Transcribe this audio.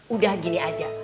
udah gini aja